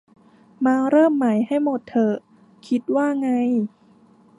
มาเริ่มใหม่ให้หมดเถอะ คิดว่าไง